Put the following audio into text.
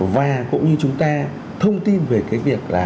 và cũng như chúng ta thông tin về cái việc là